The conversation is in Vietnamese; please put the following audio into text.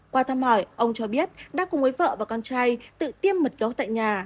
qua thăm hỏi ông cho biết đã cùng với vợ và con trai tự tiêm mật gấu tại nhà